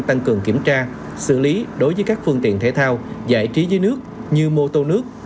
tăng cường kiểm tra xử lý đối với các phương tiện thể thao giải trí dưới nước như mô tô nước